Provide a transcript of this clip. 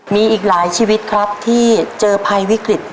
มีอีกหลายชีวิตครับที่เจอภัยวิกฤต